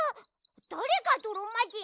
だれがどろまじん？